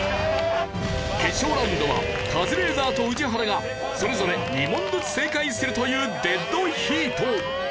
決勝ラウンドはカズレーザーと宇治原がそれぞれ２問ずつ正解するというデッドヒート。